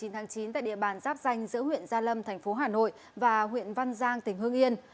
tại địa bàn giáp danh giữa huyện gia lâm thành phố hà nội và huyện văn giang tỉnh hương yên